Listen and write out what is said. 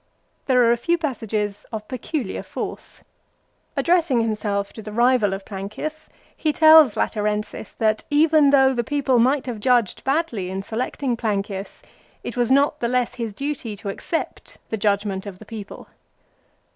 There are a few passages of peculiar force. Addressing himself to the rival of Plancius, he tells Laterensis that even though the people might have judged badly in selecting Plancius, it was not the less his duty to accept the judgment of the people.